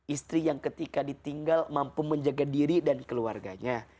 istri yang ketika ditinggal mampu menjaga diri dan keluarganya